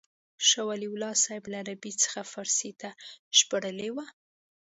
شاه ولي الله صاحب له عربي څخه فارسي ته ژباړلې وه.